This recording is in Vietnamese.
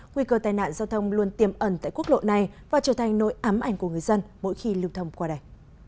nguy cơ tai nạn giao thông luôn tiêm ẩn tại quốc lộ này và trở thành nỗi ám ảnh của người dân mỗi khi lưu thông qua đây